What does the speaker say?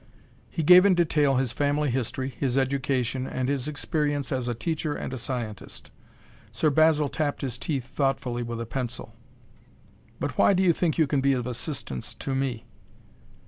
He gave in detail his family history, his education, and his experience as a teacher and a scientist. Sir Basil tapped his teeth thoughtfully with a pencil. "But why do you think you can be of assistance to me?"